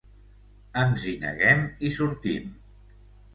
Ens hi neguem i sortim.